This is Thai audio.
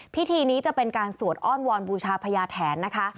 พิธีนี้จะเป็นการสวดอ้อนวอนบูชาพญาแถนนะคะ